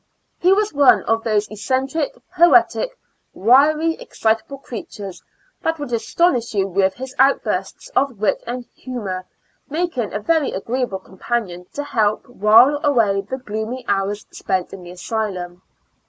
He was one of those eccen tric, poetic, wiry, excitable creatures that would astonish you with his outbursts of wit and humor, making a very agreeable companion to help while away the gloomy hours spent in an asylum.